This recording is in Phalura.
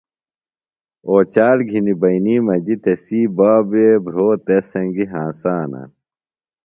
اوچال گِھنیۡ بئینی مجیۡ تسی بابوے بھرو تس سنگیۡ ہنسانہ۔